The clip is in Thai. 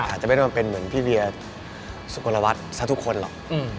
อาจจะไม่ได้มาเป็นเหมือนพี่เวียสุกลวัฒน์ซะทุกคนหรอก